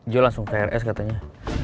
jiho langsung ke rs katanya